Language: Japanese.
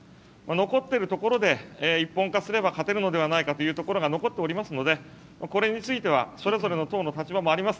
残っている所で一本化すれば勝てるのではないかという所が残っておりますので、これについては、それぞれの党の立場もあります。